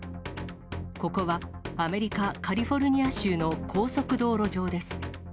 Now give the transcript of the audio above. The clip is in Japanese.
ここはアメリカ・カリフォルニア州の高速道路上です。